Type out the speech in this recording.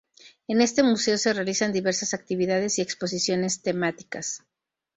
En este museo se realizan diversas actividades y exposiciones temáticas.